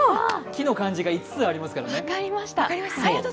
木の漢字が５つありますからね。